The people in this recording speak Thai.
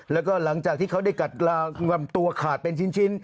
แล้วก็หลังจากที่เขาได้กัดลำตัวขาดเป็นชิ้น